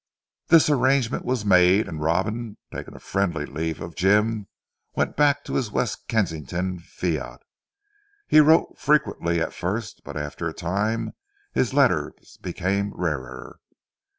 This arrangement was made, and Robin, taking a friendly leave of Jim went back to his West Kensington fiat. He wrote frequently at first, but after a time his letters became rarer.